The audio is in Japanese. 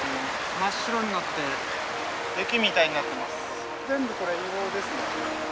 真っ白になって雪みたいになってます。